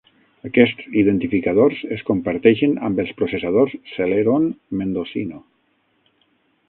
Aquests identificadors es comparteixen amb els processadors Celeron Mendocino.